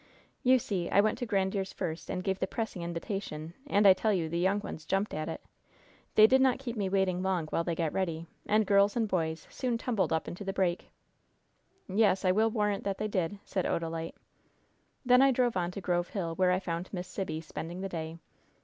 "You see, I went to Grandieres' first, and gave the pressing invitation, and, I tell you, the young ones jumped at it. They did not keep me waiting long while they got ready, and girls and boys soon tumbled up into the break." "Yes, I will warrant that they did," said Odalite. "Then I drove on to Grove Hill, where I found Miss Sibby spending the day.